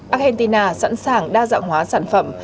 argentina sẵn sàng đa dạng hóa sản phẩm